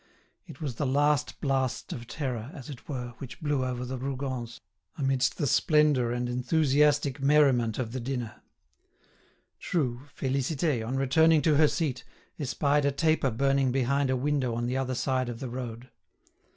It was the last blast of terror, as it were, which blew over the Rougons, amidst the splendour and enthusiastic merriment of the dinner. True, Félicité, on returning to her seat, espied a taper burning behind a window on the other side of the road.